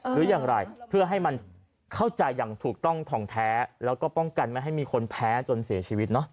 หรืออย่างไรเพื่อให้มันเข้าใจอย่างถูกต้องถ่องแท้แล้วก็ป้องกันไม่ให้มีคนแพ้จนเสียชีวิตเนอะ